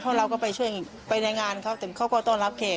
เพราะเราก็ไปช่วยไปในงานเขาแต่เขาก็ต้อนรับแขก